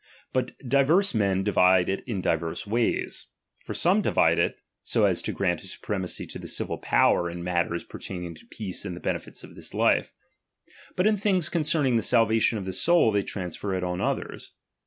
But diverse men divide it diverse ways, ai For some divide it, so as to grant a supremacy to the civil power in matters pertaining to peace and the benefits of this life ; but in things concerning the salvation of the soul they transfer it on others.